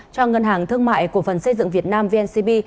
cho ngân hàng thương mại cổ phần xây dựng việt nam vncb